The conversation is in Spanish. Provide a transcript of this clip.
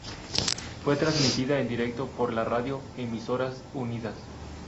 Fue transmitida en directo por la radio Emisoras Unidas.